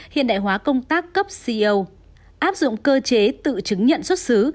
hiện đại hóa công tác cấp co áp dụng cơ chế tự chứng nhận xuất xứ